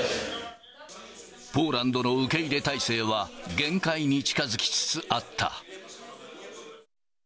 ポーランドの受け入れ態勢は、限界に近づきつつあった。